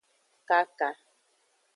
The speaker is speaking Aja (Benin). Kaka.